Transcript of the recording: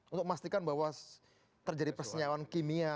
untuk memastikan bahwa terjadi persennyawan kimia